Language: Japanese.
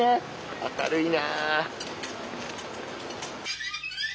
明るいな。